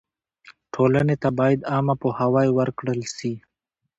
ټولنې ته باید عامه پوهاوی ورکړل سي.